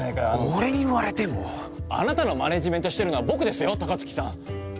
俺に言われてもあなたのマネジメントしてるのは僕ですよ高槻さん